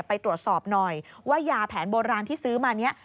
ไปตรวจสอบหน่อยว่ายาแผนโบราณที่ซื้อมานี้